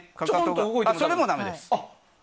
それもだめです。